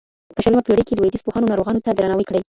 په شلمه پېړۍ کې لوېدیځ پوهانو ناروغانو ته درناوی کړی.